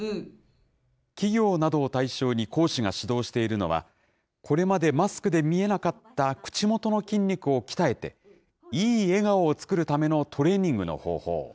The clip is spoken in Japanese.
企業などを対象に講師が指導しているのは、これまでマスクで見えなかった口元の筋肉を鍛えて、いい笑顔を作るためのトレーニングの方法。